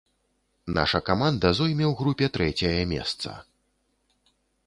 Наша каманда зойме ў групе трэцяе месца.